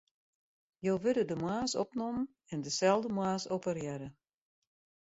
Jo wurde de moarns opnommen en deselde moarns operearre.